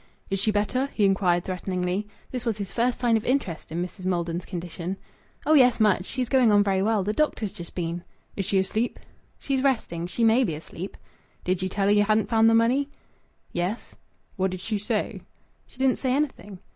"Is she better?" he inquired threateningly. This was his first sign of interest in Mrs. Maldon's condition. "Oh, yes; much. She's going on very well. The doctor's just been." "Is she asleep?" "She's resting. She may be asleep." "Did ye tell her ye hadn't found her money?" "Yes." "What did she say?" "She didn't say anything."